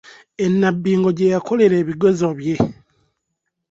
E Nabbingo gye yakolera ebigezo bye.